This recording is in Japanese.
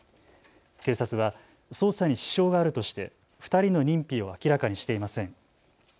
警察は捜査に支障があるとして２人の認否を明らかにしていません。